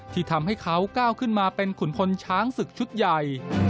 ที่ทำให้เขาก้าวขึ้นมาเป็นขุนพลช้างศึกชุดใหญ่